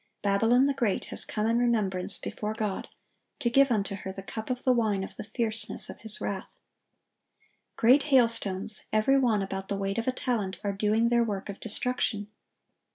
Babylon the Great has come in remembrance before God, "to give unto her the cup of the wine of the fierceness of His wrath."(1095) Great hailstones, every one "about the weight of a talent," are doing their work of destruction.